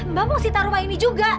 mbak mongsi taruh rumah ini juga